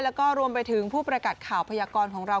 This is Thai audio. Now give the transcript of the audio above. แล้วก็รวมไปถึงผู้ประกาศข่าวพยากรของเรา